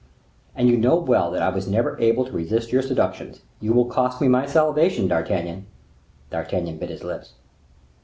"And you know well that I was never able to resist your seductions; you will cost me my salvation, D'Artagnan." D'Artagnan bit his lips.